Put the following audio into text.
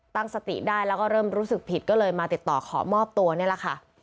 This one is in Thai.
ตั้งสติได้แล้วก็เริ่มรู้สึกผิดก็เลยมาติดต่อขอมอบตัวนี่แหละค่ะ